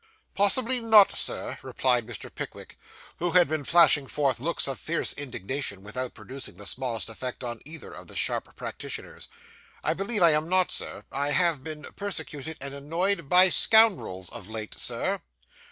'Possibly not, Sir,' replied Mr. Pickwick, who had been flashing forth looks of fierce indignation, without producing the smallest effect on either of the sharp practitioners; 'I believe I am not, Sir. I have been persecuted and annoyed by scoundrels of late, Sir.